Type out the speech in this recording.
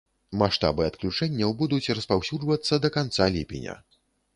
Маштабы адключэнняў будуць распаўсюджвацца да канца ліпеня.